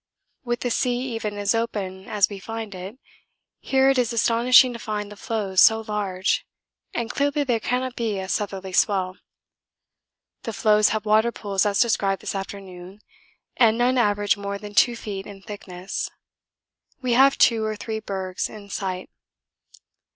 With the sea even as open as we find it here it is astonishing to find the floes so large, and clearly there cannot be a southerly swell. The floes have water pools as described this afternoon, and none average more than 2 feet in thickness. We have two or three bergs in sight.